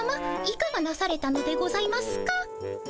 いかがなされたのでございますか？